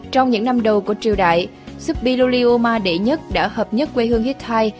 trong những năm đầu của triều đại subi luli uma đệ nhất đã hợp nhất quê hương hittai